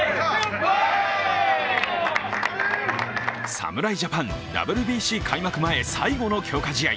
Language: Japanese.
侍ジャパン、ＷＢＣ開幕前最後の強化試合。